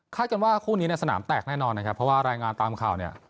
กันว่าคู่นี้เนี่ยสนามแตกแน่นอนนะครับเพราะว่ารายงานตามข่าวเนี่ย